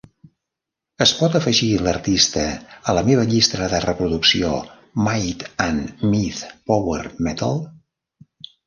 Es pot afegir l'artista a la meva llista de reproducció "Might and Myth Power Metal"?